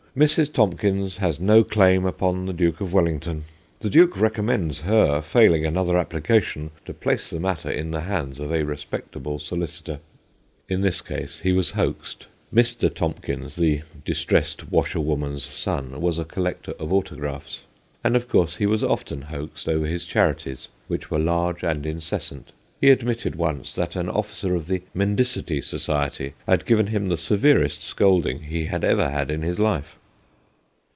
Mrs. Tomkins has no claim upon the Duke of Wellington. The Duke recommends her, failing another appli cation, to place the matter in the hands of a respectable solicitor/ In this case he was hoaxed : Mr. Tomkins, the distressed washerwoman's son, was a collector of auto graphs. And of course he was often hoaxed over his charities, which were large and incessant : he admitted once that an officer of the Mendicity Society had given him the severest scolding he had ever had in his life.